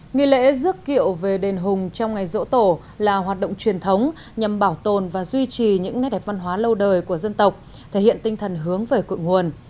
nghi lễ dước kiệu về đền hùng trong ngày rỗ tổ là hoạt động truyền thống nhằm bảo tồn và duy trì những nét đẹp văn hóa lâu đời của dân tộc thể hiện tinh thần hướng về cội nguồn